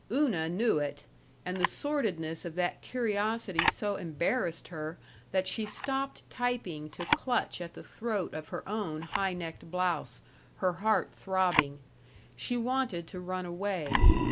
Una knew it, and the sordidness of that curiosity so embarrassed her that she stopped typing to clutch at the throat of her own high necked blouse, her heart throbbing. She wanted to run away.